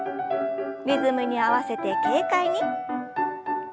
リズムに合わせて軽快に。